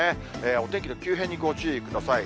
お天気の急変にご注意ください。